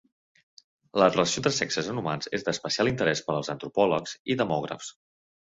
La relació entre sexes en humans és d'especial interés per als antropòlegs i demògrafs.